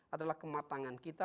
adalah kematangan kita